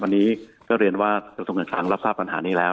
วันนี้เรียนว่าท่านลับทราบปัญหานี้แล้ว